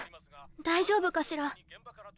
大丈夫かしら？